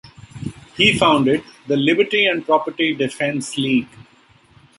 He founded the Liberty and Property Defence League.